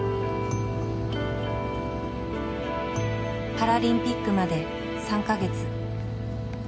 パラリンピックまで３か月。